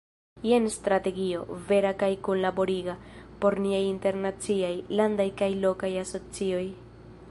Jen strategio, vera kaj kunlaboriga, por niaj internaciaj, landaj kaj lokaj asocioj.